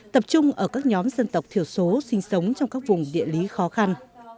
tập trung ở các nhóm dân tộc thiểu số sinh sống trong các vùng địa lý khó khăn